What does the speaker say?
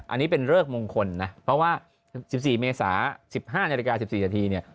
อันนี้เป็นเริกมงคลนะเพราะว่า๑๔เมษา๑๕นาฬิกา๑๔นาทีเนี่ย